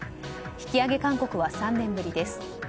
引き上げ勧告は３年ぶりです。